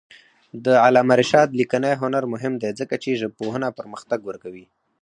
د علامه رشاد لیکنی هنر مهم دی ځکه چې ژبپوهنه پرمختګ ورکوي.